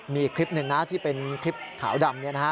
มีคลิปหนึ่งนะที่เป็นคลิปขาวดำ